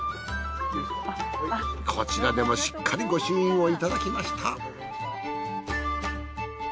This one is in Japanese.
こちらでもしっかり御朱印をいただきました。